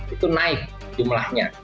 itu naik jumlahnya